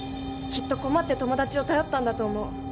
きっと困って友達を頼ったんだと思う。